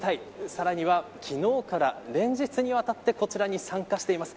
さらには昨日から連日にわたってこちらに参加しています。